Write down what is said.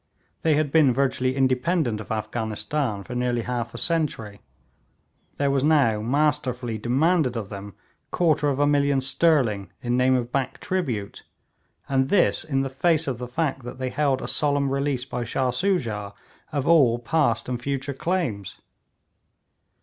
They had been virtually independent of Afghanistan for nearly half a century; there was now masterfully demanded of them quarter of a million sterling in name of back tribute, and this in the face of the fact that they held a solemn release by Shah Soojah of all past and future claims.